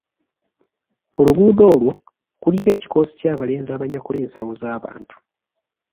Ku luguudo olwo kuliko ekikoosi ky'abalenzi abanyakula ensawo z'abantu.